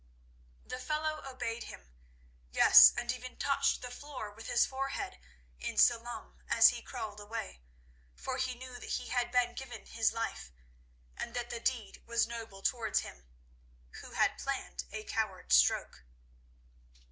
The fellow obeyed him—yes, and even touched the floor with his forehead in salaam as he crawled away, for he knew that he had been given his life, and that the deed was noble towards him who had planned a coward's stroke.